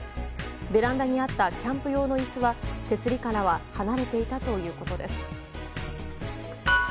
ベランダにあったキャンプ用の椅子は手すりから離れていたということです。